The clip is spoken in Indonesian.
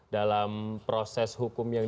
dalam proses hukum yang